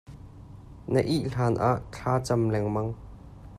Na ih hlan ah thlacam lengmang.